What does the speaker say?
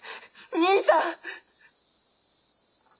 兄さん？